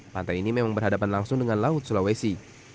pantai ini memang berhadapan langsung dengan laut sulawesi